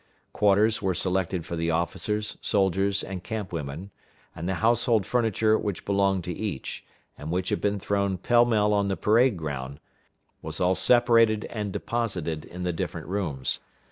Quarters were selected for the officers, soldiers, and camp women; and the household furniture which belonged to each, and which had been thrown pell mell on the parade ground, was all separated and deposited in the different rooms.